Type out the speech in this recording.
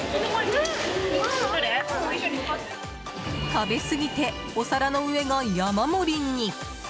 食べ過ぎてお皿の上が山盛りに！